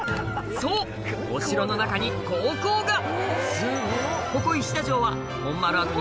そうお城の中に高校が！